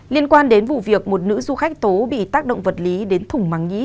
liên quan đến vụ việc một nữ du khách tố bị tác động vật lý đến thủng mắng nhí